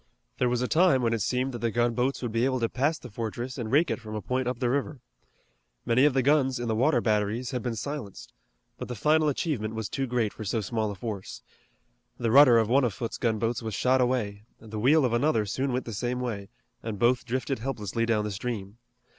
There was a time when it seemed that the gunboats would be able to pass the fortress and rake it from a point up the river. Many of the guns in the water batteries had been silenced, but the final achievement was too great for so small a force. The rudder of one of Foote's gunboats was shot away, the wheel of another soon went the same way, and both drifted helplessly down the stream.